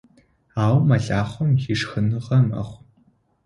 Ау мэлахъом ишхыныгъо мэхъу.